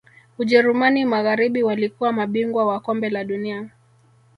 ujerumani magharibi walikuwa mabingwa wa kombe la dunia